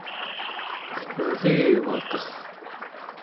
eqnarivakar!